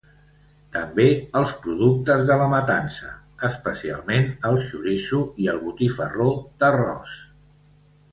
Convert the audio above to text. També els productes de la matança, especialment el xoriço i el botifarró d'arròs.